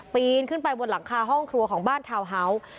ปีนขึ้นไปบนหลังคาห้องครัวของบ้านทาวน์ฮาส์